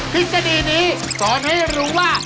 ทฤษฎีนี้สอนให้รู้ว่า